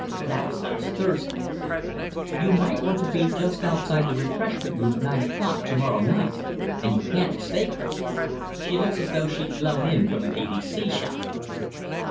That was last Thursday. You want to be just outside the refreshment room at nine o'clock to morrow night, and you can't mistake her. She looks as though she'd blown in from an A B C shop."